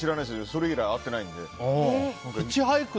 それ以来、会ってないので。